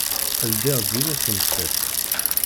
Ldiɣ-d yiwet n tiṭ.